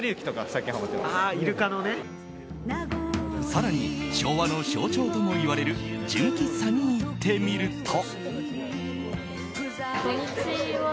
更に、昭和の象徴ともいわれる純喫茶に行ってみると。